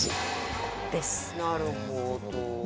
なるほど。